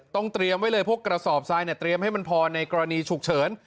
เตรียมไว้เลยพวกกระสอบทรายเนี่ยเตรียมให้มันพอในกรณีฉุกเฉิน